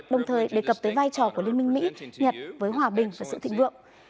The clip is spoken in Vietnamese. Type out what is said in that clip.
đồng thời đề cập tới vai trò của liên minh mỹ nhật với hòa bình và sự thịnh vượng